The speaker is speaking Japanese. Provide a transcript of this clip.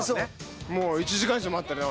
もう１時間以上待ってるよね、